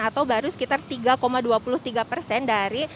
atau baru sekitar tiga dua puluh tiga persen dari